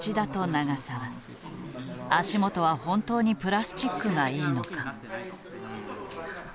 足元は本当にプラスチックがいいのか？